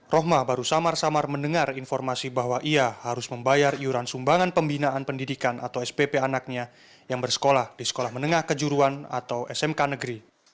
rohma baru samar samar mendengar informasi bahwa ia harus membayar iuran sumbangan pembinaan pendidikan atau spp anaknya yang bersekolah di sekolah menengah kejuruan atau smk negeri